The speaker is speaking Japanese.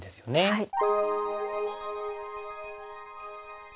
はい。